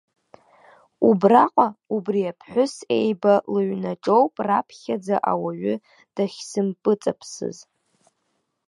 Убраҟа, убри аԥҳәыс еиба лыҩнаҿоуп раԥхьаӡа ауаҩы дахьсымпыҵаԥсыз.